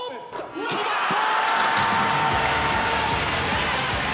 決まった！